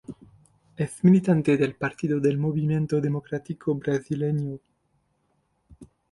Es militante del Partido del Movimiento Democrático Brasileño.